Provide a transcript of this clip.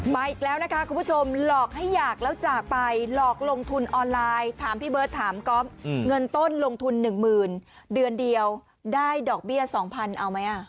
อีกแล้วนะคะคุณผู้ชมหลอกให้อยากแล้วจากไปหลอกลงทุนออนไลน์ถามพี่เบิร์ตถามก๊อฟเงินต้นลงทุน๑๐๐๐เดือนเดียวได้ดอกเบี้ย๒๐๐เอาไหม